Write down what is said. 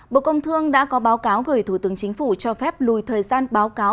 bộ công thương đã có báo cáo gửi thủ tướng chính phủ cho phép lùi thời gian báo cáo